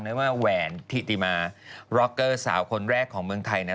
ไม่ว่าแหวนธิติมาร็อกเกอร์สาวคนแรกของเมืองไทยนะ